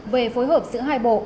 về phối hợp giữa hai bộ